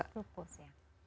kita dari allah untuk hidup kita